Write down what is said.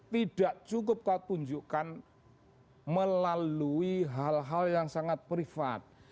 tidak cukup kau tunjukkan melalui hal hal yang sangat privat